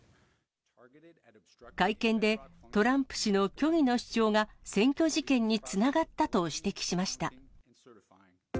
会見でトランプ氏の虚偽の主張が占拠事件につながったと指摘しました。